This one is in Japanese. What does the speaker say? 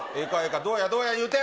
どうやどうや言うて。